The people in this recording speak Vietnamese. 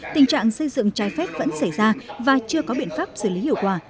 tình trạng xây dựng trái phép vẫn xảy ra và chưa có biện pháp xử lý hiệu quả